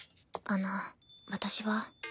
あの私は？